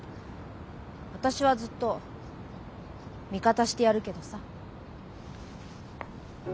私はずっと味方してやるけどさ。